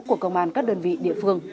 của công an các đơn vị địa phương